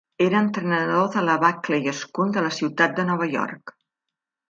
Era entrenador a la Buckley School de la ciutat de Nova York.